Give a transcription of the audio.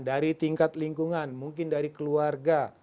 dari tingkat lingkungan mungkin dari keluarga